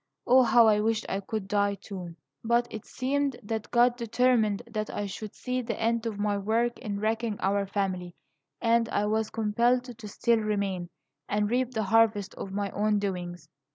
O, how I wished I could die, too! But it seemed that God determined that I should see the end of my work in wrecking our family, and I was compelled to still remain, and reap the harvest of my own doings.